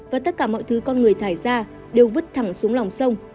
và tất cả mọi thứ con người thải ra đều vứt thẳng xuống lòng sông